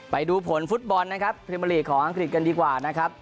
ไปดูผลฟุตบอลนะครับพรีเมอร์ลีกของอังกฤษกันดีกว่านะครับ